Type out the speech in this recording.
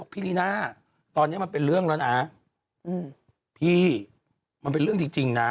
พี่ลิน่าตอนเนี้ยมันเป็นเรื่องแล้วนะอืมพี่มันเป็นเรื่องจริงจริงน่ะ